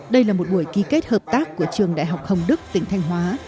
đây là một buổi ký kết hợp tác của trường đại học hồng đức tỉnh thanh hóa